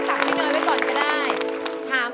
ขอบคุณครับ